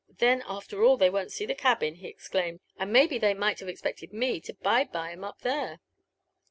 V' Then after all they won't see the cabin r' he exclaimed, '' and maybe they might have expected me to bide by 'em up there."